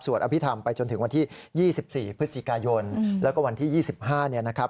อภิษฐรรมไปจนถึงวันที่๒๔พฤศจิกายนแล้วก็วันที่๒๕เนี่ยนะครับ